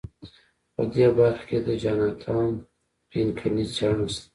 په دې برخه کې د جاناتان پینکني څېړنه شته.